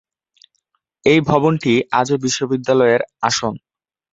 এই ভবনটি আজও বিশ্ববিদ্যালয়ের আসন।